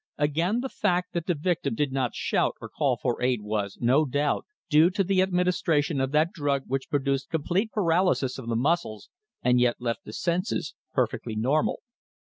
Again, the fact that the victim did not shout and call for aid was, no doubt, due to the administration of that drug which produced complete paralysis of the muscles, and yet left the senses perfectly normal.